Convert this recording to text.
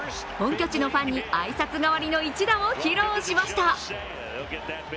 本拠地のファンに挨拶代わりの一打を披露しました。